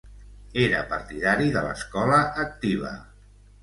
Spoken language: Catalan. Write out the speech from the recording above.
Era partidari de l'escola activa.